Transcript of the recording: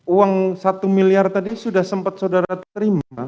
uang satu miliar tadi sudah sempat saudara terima